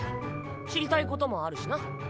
知りたいこともあるしな。